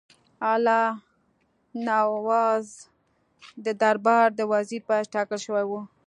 الله نواز د دربار د وزیر په حیث ټاکل شوی وو.